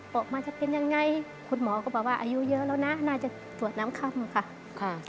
ออกมาจะเป็นยังไงคุณหมอก็บอกว่าอายุเยอะแล้วนะน่าจะสวดน้ำค่ำค่ะ